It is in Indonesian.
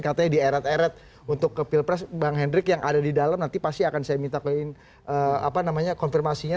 katanya di eret eret untuk ke pilpres bang hendrik yang ada di dalam nanti pasti akan saya minta ke konfirmasinya